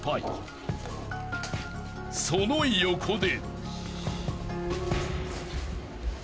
［その横で］